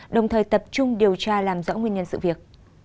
đồng thời tập trung điều tra làm rõ nguyên nhân sự việc